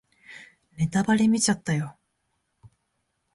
ネタバレ見ちゃったよ